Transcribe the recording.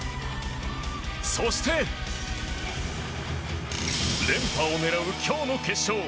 そして連覇を狙う、今日の決勝。